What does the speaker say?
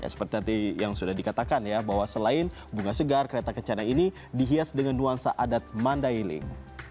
seperti tadi yang sudah dikatakan ya bahwa selain bunga segar kereta kencana ini dihias dengan nuansa adat mandailing